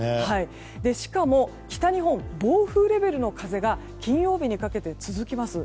しかも、北日本は暴風レベルの風が金曜日にかけて続きます。